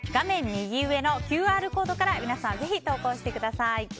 右上のＱＲコードから皆さん、ぜひ投稿してください。